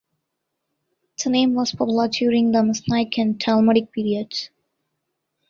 The name was popular during the Mishnaic and Talmudic periods.